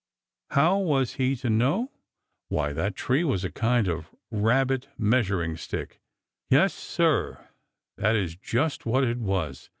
How was he to know? Why, that tree was a kind of Rabbit measuring stick. Yes, Sir, that is just what it was.